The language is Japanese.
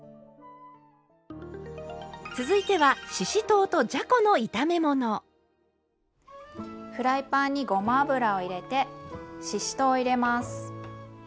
続いてはフライパンにごま油を入れてししとうを入れます。